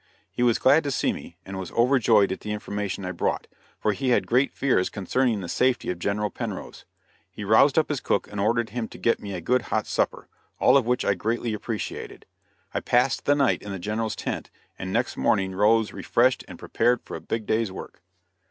He was glad to see me, and was overjoyed at the information I brought, for he had great fears concerning the safety of General Penrose. He roused up his cook and ordered him to get me a good hot supper, all of which I greatly appreciated. I passed the night in the General's tent, and next morning rose refreshed and prepared for a big day's work.